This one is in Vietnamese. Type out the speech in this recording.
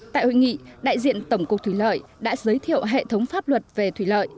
tại hội nghị đại diện tổng cục thủy lợi đã giới thiệu hệ thống pháp luật về thủy lợi